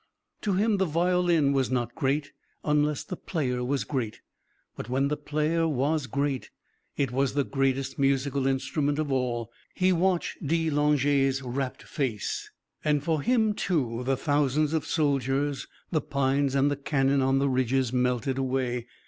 To him the violin was not great, unless the player was great, but when the player was great it was the greatest musical instrument of all. He watched de Langeais' wrapt face, and for him too the thousands of soldiers, the pines and the cannon on the ridges melted away.